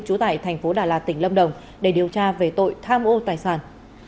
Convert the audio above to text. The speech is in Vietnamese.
trú tại tp đà lạt tỉnh lâm đồng để điều tra về tội tham ô tài sản